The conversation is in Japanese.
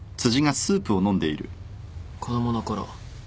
子供のころ